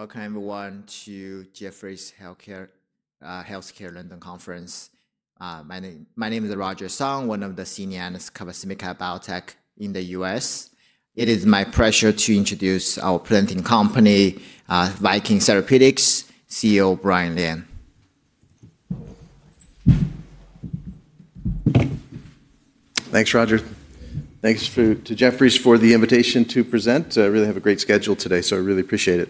All right. Welcome everyone to Jefferies Healthcare London Conference. My name is Roger Song, one of the senior analysts covering biotech in the U.S. It is my pleasure to introduce our presenting company, Viking Therapeutics, CEO Brian Lian. Thanks, Roger. Thanks to Jefferies for the invitation to present. I really have a great schedule today, so I really appreciate it.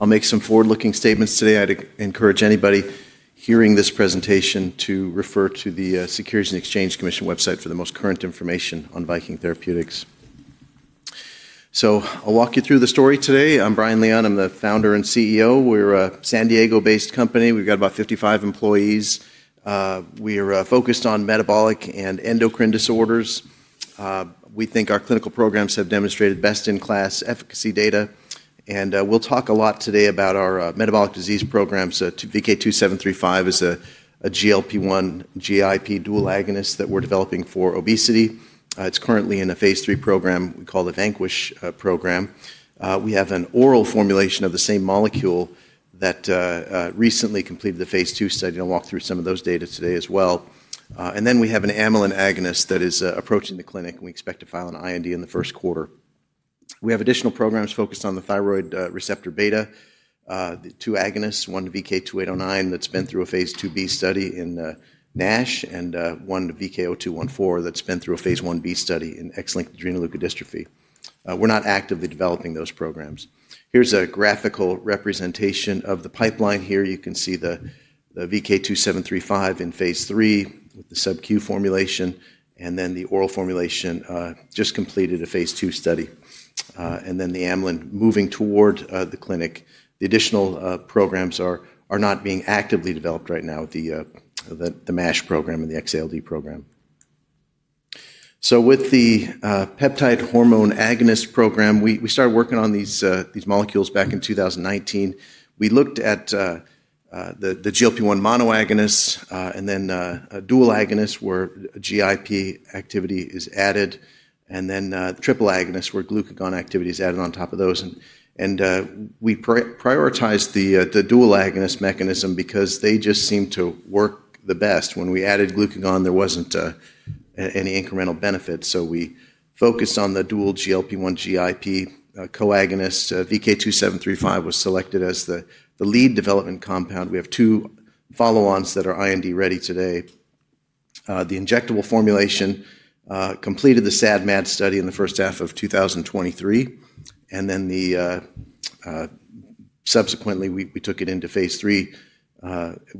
I'll make some forward-looking statements today. I'd encourage anybody hearing this presentation to refer to the Securities and Exchange Commission website for the most current information on Viking Therapeutics. I'll walk you through the story today. I'm Brian Lian. I'm the founder and CEO. We're a San Diego-based company. We've got about 55 employees. We are focused on metabolic and endocrine disorders. We think our clinical programs have demonstrated best-in-class efficacy data. We'll talk a lot today about our metabolic disease programs. VK2735 is a GLP-1, GIP dual agonist that we're developing for obesity. It's currently in a phase III program. We call it the VANQUISH program. We have an oral formulation of the same molecule that recently completed the phase II study. I'll walk through some of those data today as well. And then we have an amylin agonist that is approaching the clinic, and we expect to file an IND in the first quarter. We have additional programs focused on the thyroid receptor beta, the two agonists, one VK2809 that's been through a phase II-B study in NASH, and one VK0214 that's been through a phase I-B study in X-linked adrenoleukodystrophy. We're not actively developing those programs. Here's a graphical representation of the pipeline here. You can see the VK2735 in phase III with the subQ formulation, and then the oral formulation just completed a phase II study. And then the amylin moving toward the clinic. The additional programs are not being actively developed right now at the NASH program and the X-ALD program. With the peptide hormone agonist program, we started working on these molecules back in 2019. We looked at the GLP-1 monoagonists, and then dual agonists where GIP activity is added, and then triple agonists where glucagon activity is added on top of those. We prioritized the dual agonist mechanism because they just seemed to work the best. When we added glucagon, there was not any incremental benefits. We focused on the dual GLP-1, GIP coagonists. VK2735 was selected as the lead development compound. We have two follow-ons that are IND ready today. The injectable formulation completed the SAD/MAD study in the first half of 2023. Subsequently, we took it into phase III,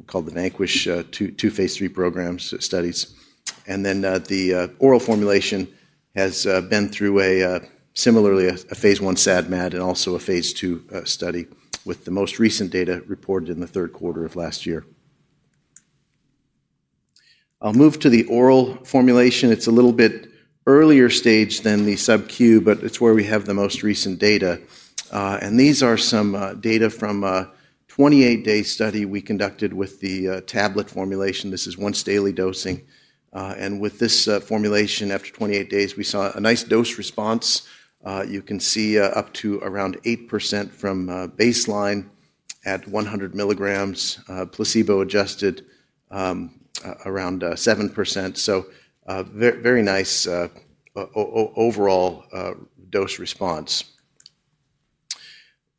called the VANQUISH-2 phase III programs, studies. The oral formulation has been through a similarly a phase I SAD/MAD and also a phase II study with the most recent data reported in the third quarter of last year. I'll move to the oral formulation. It's a little bit earlier stage than the subQ, but it's where we have the most recent data. These are some data from a 28-day study we conducted with the tablet formulation. This is once daily dosing. With this formulation, after 28 days, we saw a nice dose response. You can see up to around 8% from baseline at 100 mg, placebo adjusted, around 7%. Very nice overall dose response.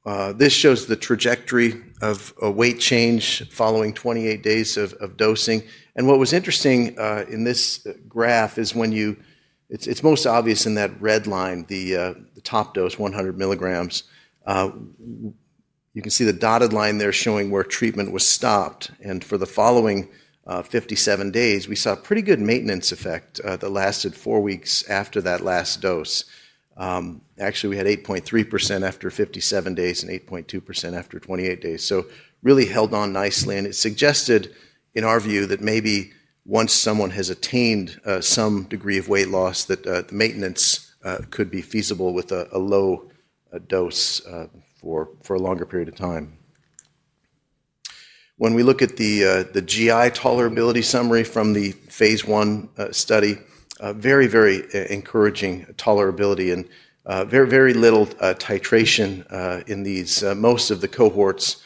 This shows the trajectory of a weight change following 28 days of dosing. What was interesting in this graph is when you—it's most obvious in that red line, the top dose, 100 mg. You can see the dotted line there showing where treatment was stopped. For the following 57 days, we saw pretty good maintenance effect that lasted four weeks after that last dose. Actually, we had 8.3% after 57 days and 8.2% after 28 days. Really held on nicely. It suggested, in our view, that maybe once someone has attained some degree of weight loss, the maintenance could be feasible with a low dose for a longer period of time. When we look at the GI tolerability summary from the phase I study, very, very encouraging tolerability and very, very little titration in these. Most of the cohorts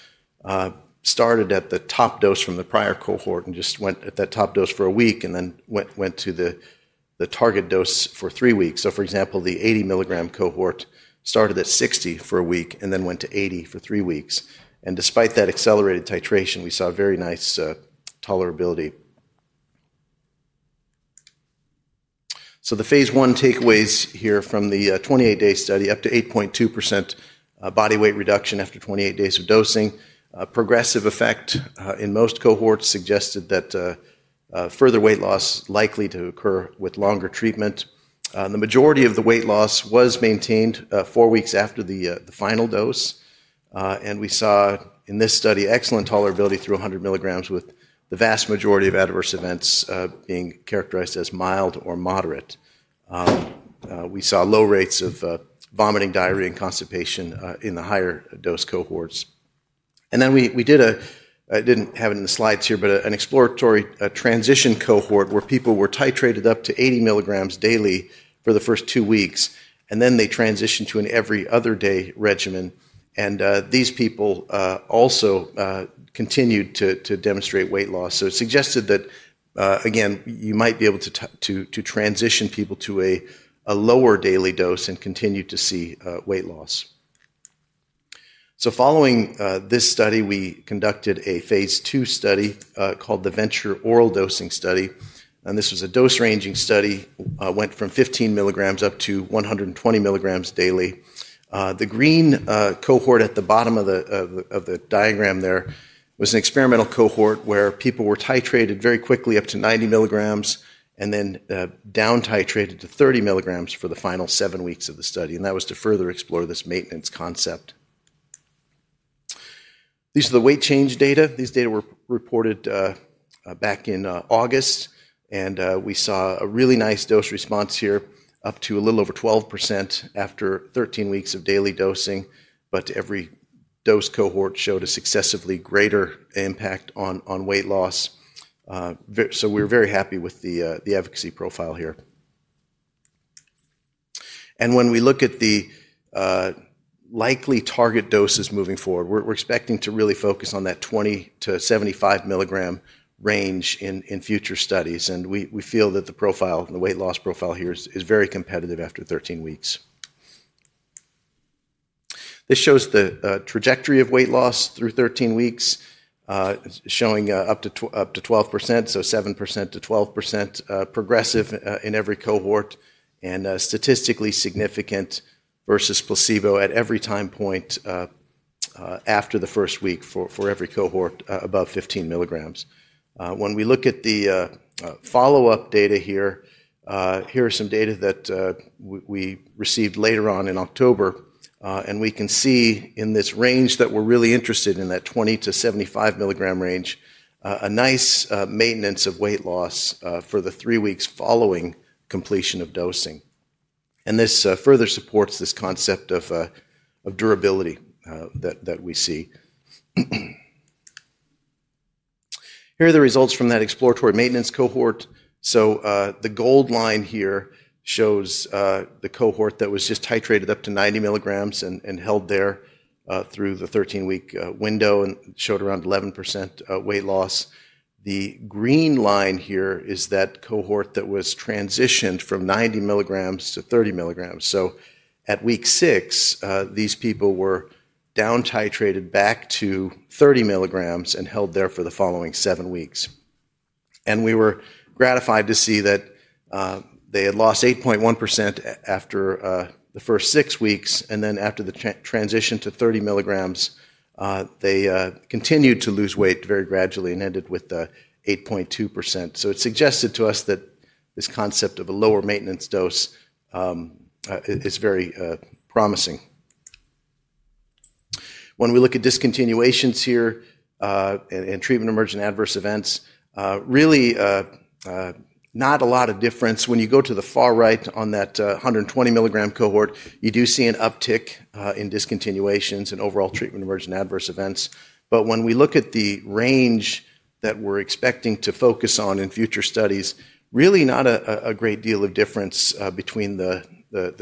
started at the top dose from the prior cohort and just went at that top dose for a week and then went to the target dose for three weeks. For example, the 80 mg cohort started at 60 for a week and then went to 80 for three weeks. Despite that accelerated titration, we saw very nice tolerability. The phase I takeaways here from the 28-day study: up to 8.2% body weight reduction after 28 days of dosing. Progressive effect in most cohorts suggested that further weight loss likely to occur with longer treatment. The majority of the weight loss was maintained four weeks after the final dose. We saw in this study excellent tolerability through 100 mg with the vast majority of adverse events being characterized as mild or moderate. We saw low rates of vomiting, diarrhea, and constipation in the higher dose cohorts. We did a—I didn't have it in the slides here, but an exploratory, transition cohort where people were titrated up to 80 mg daily for the first two weeks, and then they transitioned to an every other day regimen. These people also continued to demonstrate weight loss. It suggested that, again, you might be able to transition people to a lower daily dose and continue to see weight loss. Following this study, we conducted a phase II study, called the VENTURE-Oral Dosing Study. This was a dose ranging study, went from 15 mg up to 120 mg daily. The green cohort at the bottom of the diagram there was an experimental cohort where people were titrated very quickly up to 90 mg and then down titrated to 30 mg for the final seven weeks of the study. That was to further explore this maintenance concept. These are the weight change data. These data were reported back in August. We saw a really nice dose response here, up to a little over 12% after 13 weeks of daily dosing. Every dose cohort showed a successively greater impact on weight loss. We were very happy with the efficacy profile here. When we look at the likely target doses moving forward, we're expecting to really focus on that 20 mg-75 mg range in future studies. We feel that the profile, the weight loss profile here is very competitive after 13 weeks. This shows the trajectory of weight loss through 13 weeks, showing up to 12%, so 7%-12%, progressive, in every cohort, and statistically significant versus placebo at every time point after the first week for every cohort above 15 mg. When we look at the follow-up data here, here's some data that we received later on in October. We can see in this range that we're really interested in, that 20 mg-75 mg range, a nice maintenance of weight loss for the three weeks following completion of dosing. This further supports this concept of durability that we see. Here are the results from that exploratory maintenance cohort. The gold line here shows the cohort that was just titrated up to 90 mg and held there through the 13-week window and showed around 11% weight loss. The green line here is that cohort that was transitioned from 90 mg to 30 mg. At week six, these people were down titrated back to 30 mg and held there for the following seven weeks. We were gratified to see that they had lost 8.1% after the first six weeks. Then after the transition to 30 mg, they continued to lose weight very gradually and ended with 8.2%. It suggested to us that this concept of a lower maintenance dose is very promising. When we look at discontinuations here and treatment emergent adverse events, really, not a lot of difference. When you go to the far right on that 120 mg cohort, you do see an uptick in discontinuations and overall treatment emergent adverse events. When we look at the range that we're expecting to focus on in future studies, really not a great deal of difference between the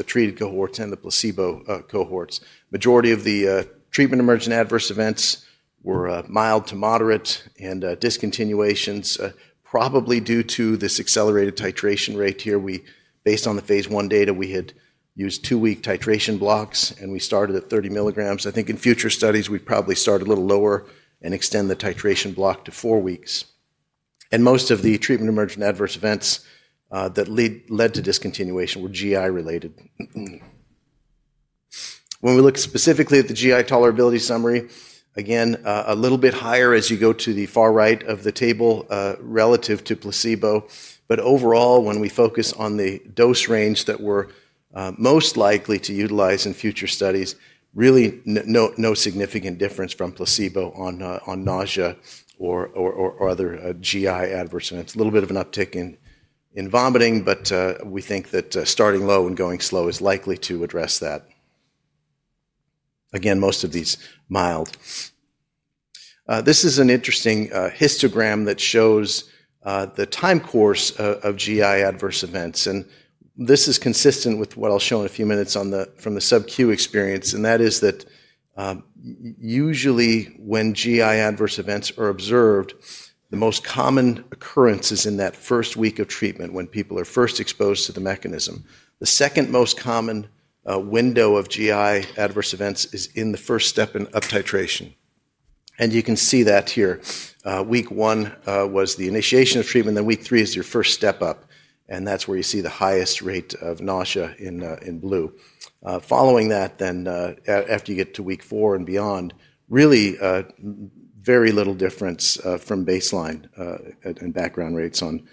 treated cohorts and the placebo cohorts. Majority of the treatment emergent adverse events were mild to moderate, and discontinuations, probably due to this accelerated titration rate here. We, based on the phase I data, we had used two-week titration blocks, and we started at 30 mg. I think in future studies, we'd probably start a little lower and extend the titration block to four weeks. Most of the treatment emergent adverse events that led to discontinuation were GI related. When we look specifically at the GI tolerability summary, again, a little bit higher as you go to the far right of the table, relative to placebo. Overall, when we focus on the dose range that we're most likely to utilize in future studies, really no significant difference from placebo on nausea or other GI adverse events. A little bit of an uptick in vomiting, but we think that starting low and going slow is likely to address that. Again, most of these mild. This is an interesting histogram that shows the time course of GI adverse events. This is consistent with what I'll show in a few minutes from the subQ experience. That is that, usually when GI adverse events are observed, the most common occurrence is in that first week of treatment when people are first exposed to the mechanism. The second most common window of GI adverse events is in the first step in up titration. You can see that here. Week one was the initiation of treatment. Week three is your first step up, and that's where you see the highest rate of nausea, in blue. Following that, after you get to week four and beyond, really, very little difference from baseline and background rates on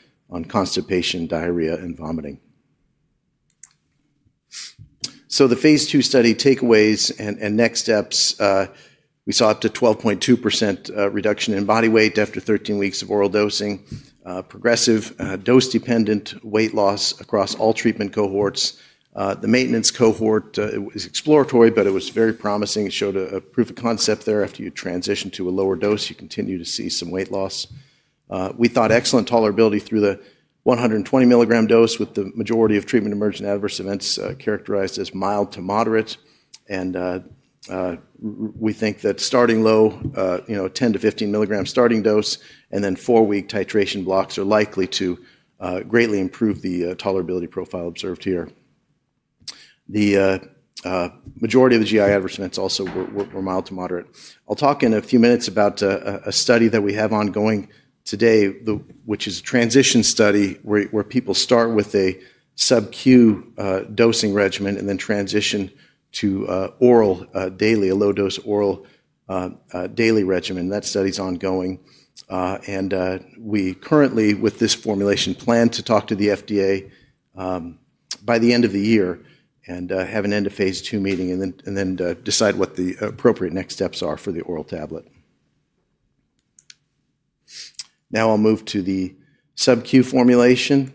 constipation, diarrhea, and vomiting. The phase II study takeaways and next steps, we saw up to 12.2% reduction in body weight after 13 weeks of oral dosing. Progressive, dose dependent weight loss across all treatment cohorts. The maintenance cohort, it was exploratory, but it was very promising. It showed a, a proof of concept there. After you transition to a lower dose, you continue to see some weight loss. We thought excellent tolerability through the 120 mg dose with the majority of treatment emergent adverse events characterized as mild to moderate. We think that starting low, you know, 10 mg-15 mg starting dose and then four-week titration blocks are likely to greatly improve the tolerability profile observed here. The majority of the GI adverse events also were mild to moderate. I'll talk in a few minutes about a study that we have ongoing today, which is a transition study where people start with a subQ dosing regimen and then transition to oral, daily, a low dose oral, daily regimen. That study's ongoing. We currently, with this formulation, plan to talk to the FDA by the end of the year and have an end of phase II meeting and then decide what the appropriate next steps are for the oral tablet. Now I'll move to the subQ formulation.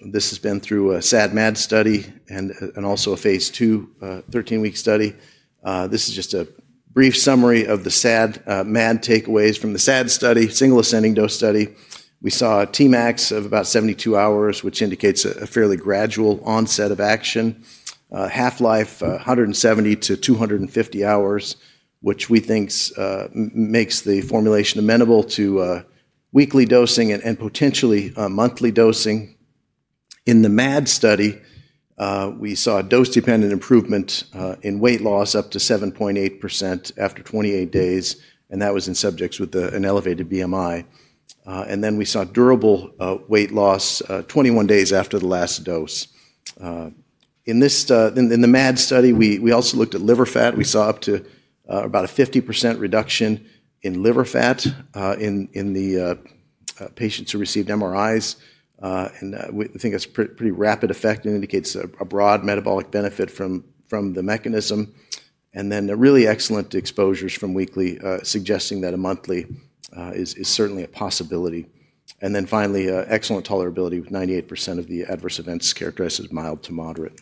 This has been through a SAD/MAD study and also a phase II, 13-week study. This is just a brief summary of the SAD/MAD takeaways from the SAD study, single ascending dose study. We saw a TMAX of about 72 hours, which indicates a fairly gradual onset of action. Half life, 170 hours-250 hours, which we think makes the formulation amenable to weekly dosing and potentially monthly dosing. In the MAD study, we saw a dose dependent improvement in weight loss up to 7.8% after 28 days. That was in subjects with an elevated BMI. And then we saw durable, weight loss, 21 days after the last dose. In this, in the MAD study, we also looked at liver fat. We saw up to about a 50% reduction in liver fat in the patients who received MRIs. We think that's pretty, pretty rapid effect and indicates a broad metabolic benefit from the mechanism. The really excellent exposures from weekly, suggesting that a monthly is certainly a possibility. Finally, excellent tolerability of 98% of the adverse events characterized as mild to moderate.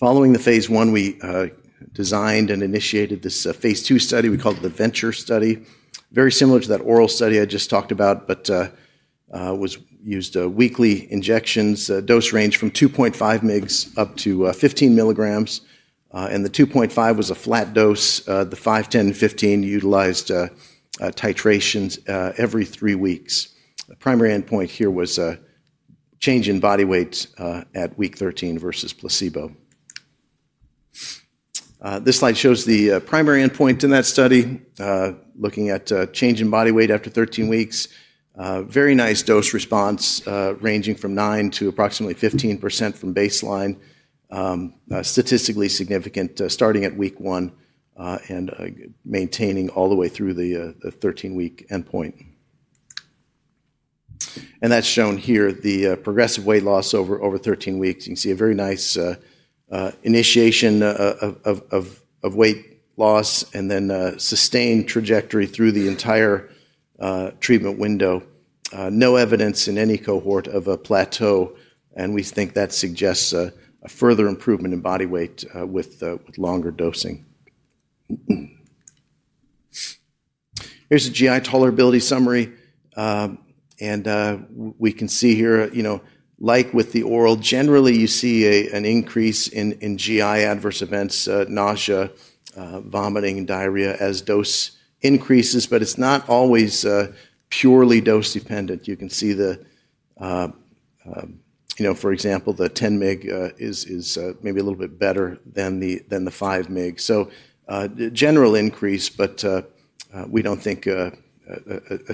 Following the phase I, we designed and initiated this phase II study. We called it the Venture study, very similar to that oral study I just talked about, but used weekly injections, dose range from 2.5 mg up to 15 mg. The 2.5 mg was a flat dose. The 5 mg, 10 mg, and 15 mg utilized titrations every three weeks. The primary endpoint here was, change in body weight, at week 13 versus placebo. This slide shows the, primary endpoint in that study, looking at, change in body weight after 13 weeks. Very nice dose response, ranging from 9% to approximately 15% from baseline. Statistically significant, starting at week one, and, maintaining all the way through the, the 13-week endpoint. That is shown here, the, progressive weight loss over, over 13 weeks. You can see a very nice, initiation, of weight loss and then, sustained trajectory through the entire, treatment window. No evidence in any cohort of a plateau. We think that suggests, a further improvement in body weight, with, with longer dosing. Here is a GI tolerability summary. And, we can see here, you know, like with the oral, generally you see an increase in GI adverse events, nausea, vomiting, and diarrhea as dose increases, but it's not always purely dose dependent. You can see the, you know, for example, the 10 mg is maybe a little bit better than the 5 mg. So, general increase, but we don't think a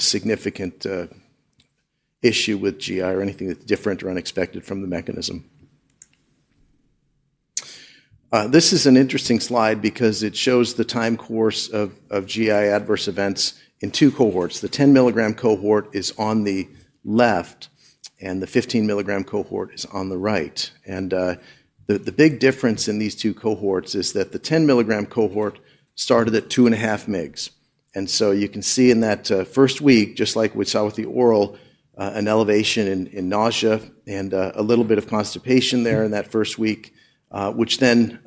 significant issue with GI or anything that's different or unexpected from the mechanism. This is an interesting slide because it shows the time course of GI adverse events in two cohorts. The 10 mg cohort is on the left and the 15 mg cohort is on the right. The big difference in these two cohorts is that the 10 mg cohort started at 2.5 mg. You can see in that first week, just like we saw with the oral, an elevation in nausea and a little bit of constipation there in that first week, which then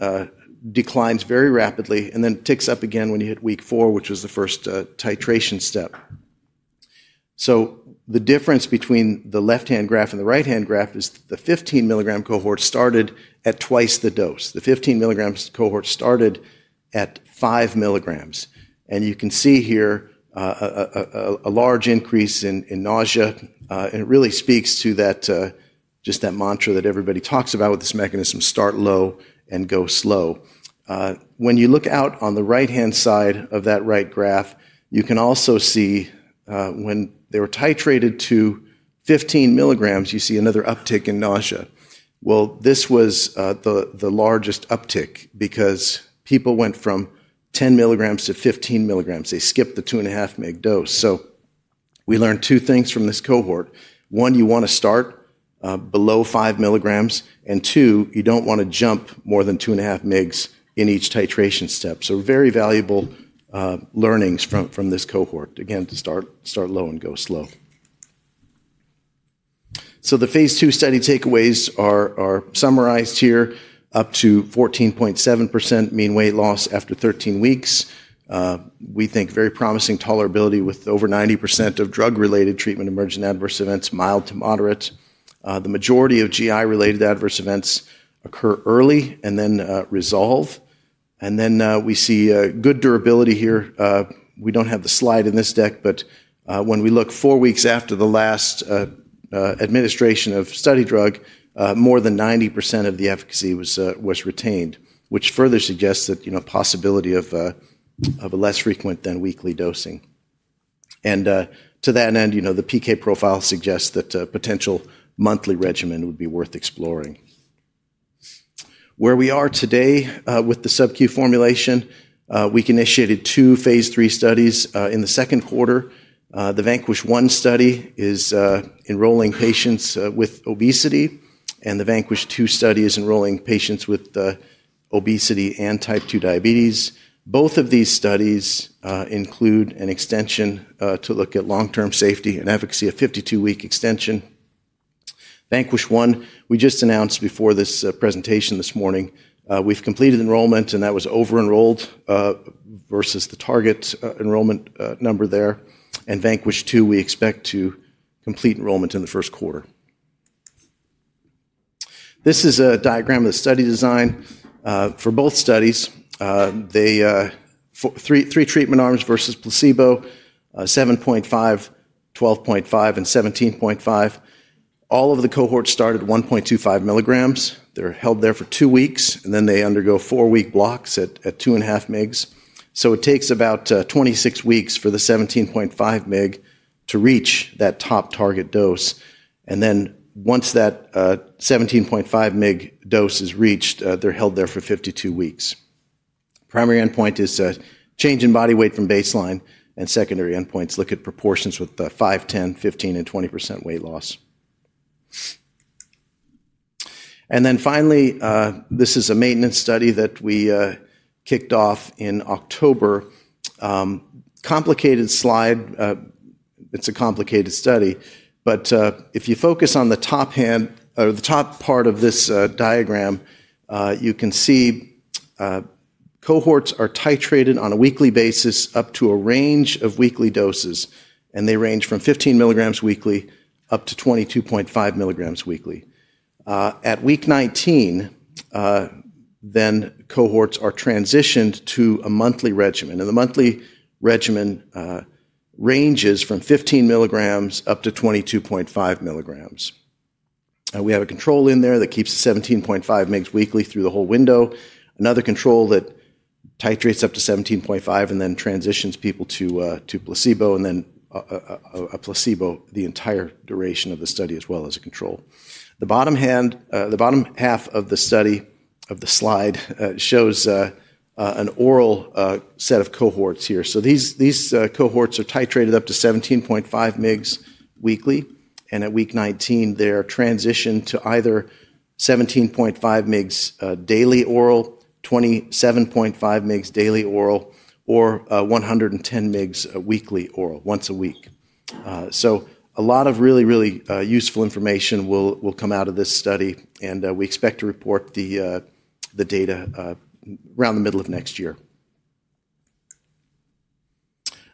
declines very rapidly and then ticks up again when you hit week four, which was the first titration step. The difference between the left-hand graph and the right-hand graph is the 15 mg cohort started at twice the dose. The 15 mg cohort started at 5 mg. You can see here, a large increase in nausea. It really speaks to that mantra that everybody talks about with this mechanism, start low and go slow. When you look out on the right-hand side of that right graph, you can also see, when they were titrated to 15 mg, you see another uptick in nausea. This was the largest uptick because people went from 10 mg to 15 mg. They skipped the 2.5 mg dose. We learned two things from this cohort. One, you want to start below 5 mg. Two, you do not want to jump more than 2.5 mg in each titration step. Very valuable learnings from this cohort. Again, to start, start low and go slow. The phase II study takeaways are summarized here, up to 14.7% mean weight loss after 13 weeks. We think very promising tolerability with over 90% of drug-related treatment emergent adverse events mild to moderate. The majority of GI-related adverse events occur early and then resolve. We see good durability here. We don't have the slide in this deck, but, when we look four weeks after the last administration of study drug, more than 90% of the efficacy was retained, which further suggests that, you know, possibility of a less frequent than weekly dosing. To that end, you know, the PK profile suggests that potential monthly regimen would be worth exploring. Where we are today, with the subQ formulation, we initiated two phase III studies in the second quarter. The VANQUISH-1 study is enrolling patients with obesity. The VANQUISH-2 study is enrolling patients with obesity and type 2 diabetes. Both of these studies include an extension to look at long-term safety and efficacy of 52-week extension. VANQUISH-1, we just announced before this presentation this morning, we've completed enrollment and that was over-enrolled versus the target enrollment number there. VANQUISH-2, we expect to complete enrollment in the first quarter. This is a diagram of the study design, for both studies. There are three treatment arms versus placebo, 7.5 mg, 12.5 mg, and 17.5 mg. All of the cohorts started 1.25 mg. They're held there for two weeks and then they undergo four-week blocks at 2.5 mg. It takes about 26 weeks for the 17.5 mg to reach that top target dose. Once that 17.5 mg dose is reached, they're held there for 52 weeks. Primary endpoint is change in body weight from baseline and secondary endpoints look at proportions with 5%, 10%, 15%, and 20% weight loss. Finally, this is a maintenance study that we kicked off in October. Complicated slide, it's a complicated study, but, if you focus on the top hand or the top part of this diagram, you can see cohorts are titrated on a weekly basis up to a range of weekly doses. They range from 15 mg weekly up to 22.5 mg weekly. At week 19, cohorts are transitioned to a monthly regimen. The monthly regimen ranges from 15 mg up to 22.5 mg. We have a control in there that keeps 17.5 mg weekly through the whole window. Another control that titrates up to 17.5 mg and then transitions people to placebo, and then a placebo the entire duration of the study as well as a control. The bottom hand, the bottom half of the study, of the slide, shows an oral set of cohorts here. So these cohorts are titrated up to 17.5 mg weekly. At week 19, they're transitioned to either 17.5 mg daily oral, 27.5 mg daily oral, or 110 mg weekly oral once a week. A lot of really, really useful information will come out of this study. We expect to report the data around the middle of next year.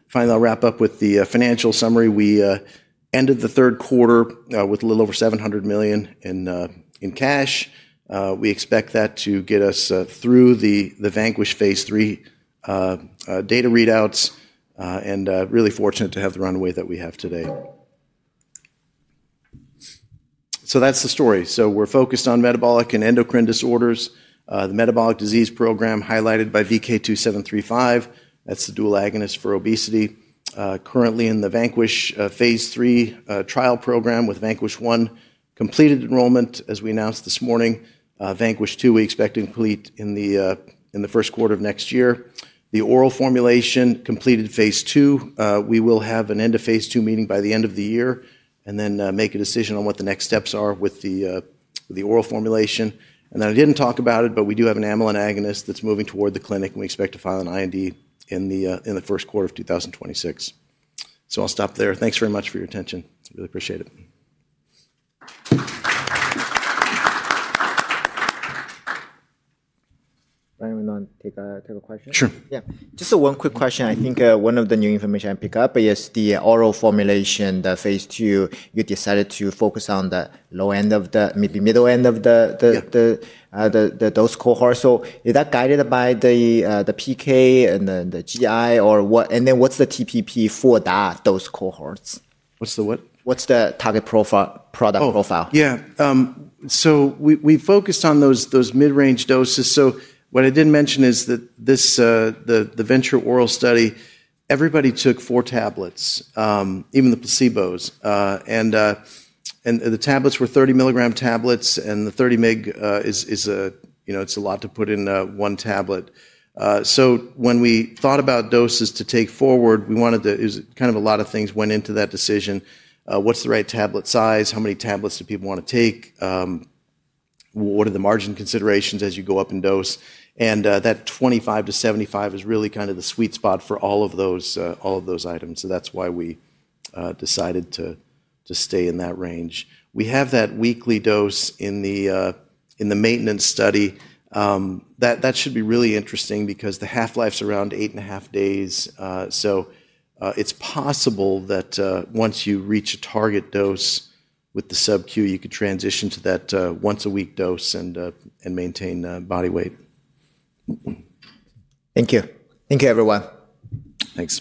Finally, I'll wrap up with the financial summary. We ended the third quarter with a little over $700 million in cash. We expect that to get us through the VANQUISH phase III data readouts, and really fortunate to have the runway that we have today. That's the story. We're focused on metabolic and endocrine disorders. The metabolic disease program highlighted by VK2735, that's the dual agonist for obesity, currently in the VANQUISH phase III trial program with VANQUISH-1, completed enrollment as we announced this morning. VANQUISH-2, we expect to complete in the first quarter of next year. The oral formulation completed phase II. We will have an end of phase II meeting by the end of the year and then make a decision on what the next steps are with the oral formulation. I did not talk about it, but we do have an amylin agonist that is moving toward the clinic and we expect to file an IND in the first quarter of 2026. I will stop there. Thanks very much for your attention. Really appreciate it. You wanna take a question? Sure. Yeah. Just one quick question. I think one of the new information I picked up is the oral formulation, the phase II, you decided to focus on the low end of the, maybe middle end of the dose cohort. Is that guided by the PK and then the GI or what, and then what's the TPP for that dose cohort? What's the, what? What's the target profile, product profile? Oh, yeah. We focused on those mid-range doses. What I didn't mention is that the VENTURE-Oral study, everybody took four tablets, even the placebos. The tablets were 30 mg tablets and the 30 mg is, you know, it's a lot to put in one tablet. When we thought about doses to take forward, we wanted to, it was kind of a lot of things went into that decision. What's the right tablet size? How many tablets do people want to take? What are the margin considerations as you go up in dose? That 25-75 is really kind of the sweet spot for all of those items. That's why we decided to stay in that range. We have that weekly dose in the maintenance study. That should be really interesting because the half-life's around eight and a half days. It's possible that, once you reach a target dose with the subQ, you could transition to that once-a-week dose and maintain body weight. Thank you. Thank you, everyone. Thanks.